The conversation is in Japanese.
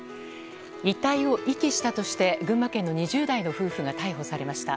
遺体を遺棄したとして群馬県の２０代の夫婦が逮捕されました。